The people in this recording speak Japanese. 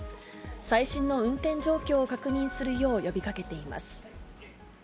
最新の運転状況を確認するよう呼びかけています。